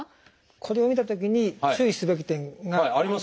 これを見たときに注意すべき点がいくつかあります。